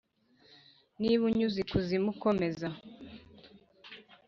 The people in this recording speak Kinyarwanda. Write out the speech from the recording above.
niba unyuze ikuzimu, komeza.